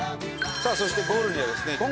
さあそしてゴールにはですね